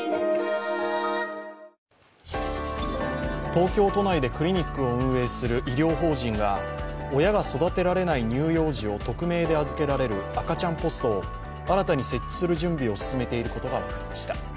東京都内でクリニックを運営する医療法人が親が育てられない乳幼児を匿名で預けられる赤ちゃんポストを新たに設置する準備を進めていることが分かりました。